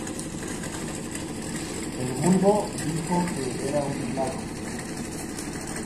El vulgo dijo que era "un milagro".